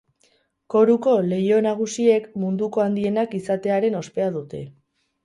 Koruko leiho nagusiek munduko handienak izatearen ospea dute.